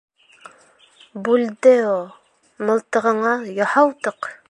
— Бульдео, мылтығыңа яһау тыҡ!